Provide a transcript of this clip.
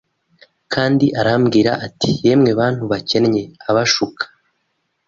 Kandi arambwira ati Yemwe bantu bakennye abashuka